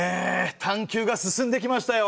探究が進んできましたよ。